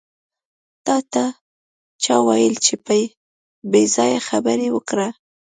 تاته چا وېل چې پې ځایه خبرې وکړه.